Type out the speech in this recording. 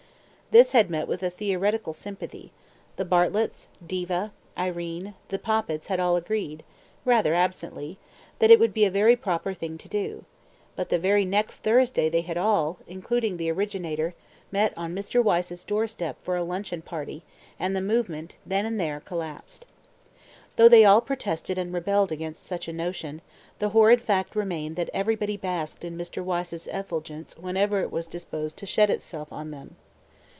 This had met with theoretical sympathy; the Bartletts, Diva, Irene, the Poppits had all agreed rather absently that it would be a very proper thing to do, but the very next Thursday they had all, including the originator, met on Mr. Wyse's doorstep for a luncheon party, and the movement then and there collapsed. Though they all protested and rebelled against such a notion, the horrid fact remained that everybody basked in Mr. Wyse's effulgence whenever it was disposed to shed itself on them.